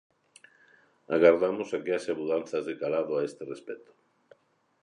Agardamos que haxa mudanzas de calado a este respecto.